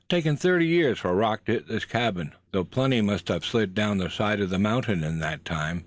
It's taken thirty years for a rock to hit this cabin, though plenty must have slid down the side of the mountain in that time.